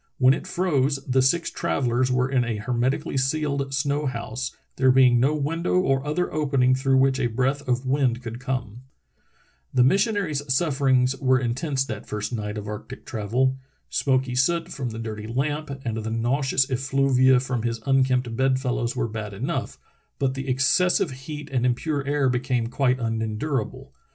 When it froze the six travellers were in a hermetically sealed snow house, there being no window or other opening through which a breath of wind could come. The missionary's sufferings were intense that first The Missionary's Arctic Trail 305 night of arctic travel. Smoky soot from the dirty lamp and the nauseous effluvia from his unkempt bed fellows were bad enough, but the excessive heat and impure air became quite unendurable.